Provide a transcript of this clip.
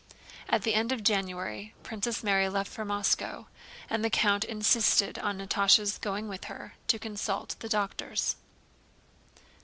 At the end of January Princess Mary left for Moscow, and the count insisted on Natásha's going with her to consult the doctors.